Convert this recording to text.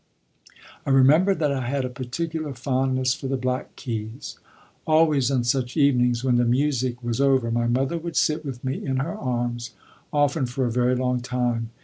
I remember that I had a particular fondness for the black keys. Always on such evenings, when the music was over, my mother would sit with me in her arms, often for a very long time.